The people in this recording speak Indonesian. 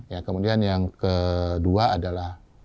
ya kemudian yang kedua adalah